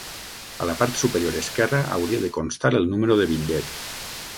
A la part superior esquerra hauria de constar el número de bitllet.